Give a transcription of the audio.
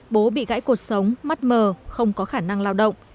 bố bị gãy cuộc sống mắt mờ không có khả năng lao động